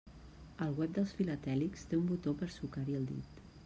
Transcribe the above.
El web dels filatèlics té un botó per sucar-hi el dit.